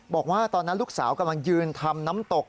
บอกว่าตอนนั้นลูกสาวกำลังยืนทำน้ำตก